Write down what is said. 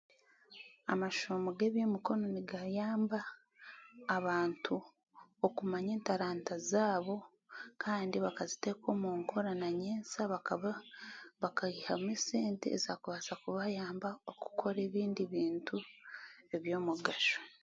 Amashomo g'eby'emikono nigayamba abantu okumanya entaranta zaabo kandi bakaziteeka omu nkora na nyensya bakaba bakaihamu sente ezaakubaasa kubayambaho kukora ebindi bintu eby'omugasho.